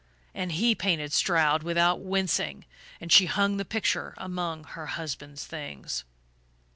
And he painted Stroud without wincing; and she hung the picture among her husband's things...."